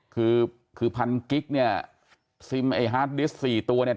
คือพันคลิปเนี่ยซิมไอ้ฮาร์ดดิสต์๔ตัวเนี่ย